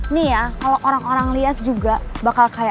nih ya kalau orang orang lihat juga bakal kayak